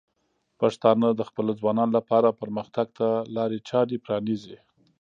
پښتانه د خپلو ځوانانو لپاره پرمختګ ته لارې چارې پرانیزي.